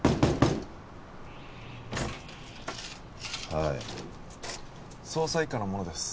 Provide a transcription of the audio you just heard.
はい捜査一課の者です